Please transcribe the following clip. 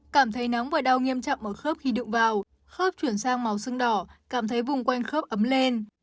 cảm thấy nóng và đau nghiêm trọng ở khớp khi đựng vào khớp chuyển sang màu sưng đỏ cảm thấy vùng quanh khớp ấm lên